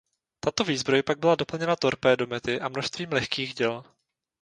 Tato výzbroj pak byla doplněna torpédomety a množstvím lehkých děl.